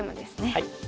はい。